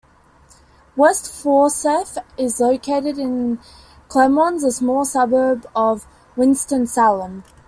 West Forsyth is located in Clemmons, a small suburb of Winston-Salem.